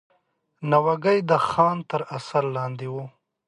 ناوګی خان تر اثر لاندې وو.